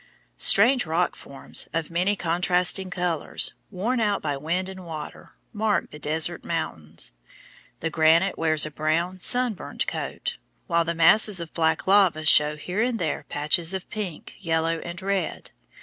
Strange rock forms, of many contrasting colors, worn out by wind and water, mark the desert mountains. The granite wears a brown, sunburned coat, while the masses of black lava show here and there patches of pink, yellow, and red.